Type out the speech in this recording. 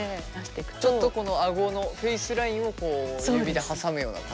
ちょっとこのあごのフェイスラインをこう指で挟むような形で。